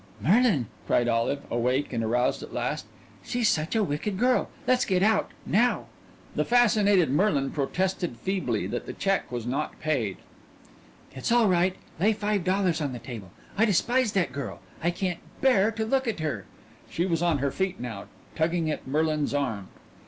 "... Merlin!" cried Olive, awake, aroused at last; "she's such a wicked girl! Let's get out now!" The fascinated Merlin protested feebly that the check was not paid. "It's all right. Lay five dollars on the table. I despise that girl. I can't bear to look at her." She was on her feet now, tagging at Merlin's arm.